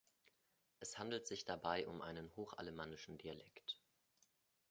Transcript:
Es handelt sich dabei um einen hochalemannischen Dialekt.